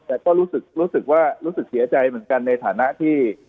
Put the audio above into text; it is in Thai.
แต่ก็รู้สึกว่ารู้สึกเสียใจเหมือนกันในฐานะที่